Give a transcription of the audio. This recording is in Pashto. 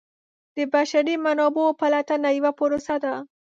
د بشري منابعو پلټنه یوه پروسه ده.